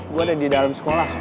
gue ada di dalam sekolah